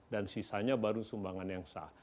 dan sisanya baru sumbangan yang sah